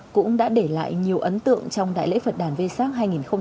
cũng đã để lại nhiều ấn tượng trong đại lễ phật đàn vê sát hai nghìn một mươi chín